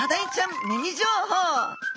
ミニ情報。